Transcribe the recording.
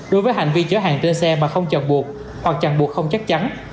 đối với hành vi chở hàng trên xe mà không chẳng buộc hoặc chẳng buộc không chắc chắn